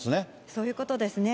そういうことですね。